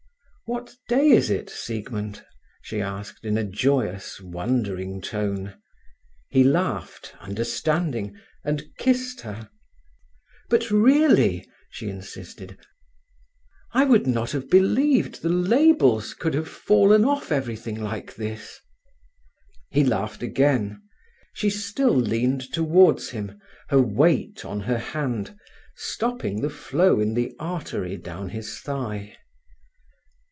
"What day is it, Siegmund?" she asked, in a joyous, wondering tone. He laughed, understanding, and kissed her. "But really," she insisted, "I would not have believed the labels could have fallen off everything like this." He laughed again. She still leaned towards him, her weight on her hand, stopping the flow in the artery down his thigh.